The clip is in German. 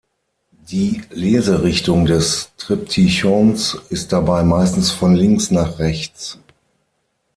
Die Leserichtung des Triptychons ist dabei meistens von links nach rechts.